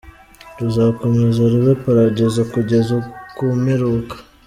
Ruzakomeza rube Paradizo kugeza ku mperuka.